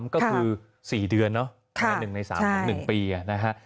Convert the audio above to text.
ก็คือ๔เดือนเนอะใน๑ใน๓๑ปีนะฮะ